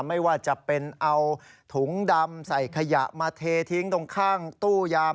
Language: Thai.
ไม่ว่าจะเป็นเอาถุงดำใส่ขยะมาเททิ้งตรงข้างตู้ยาม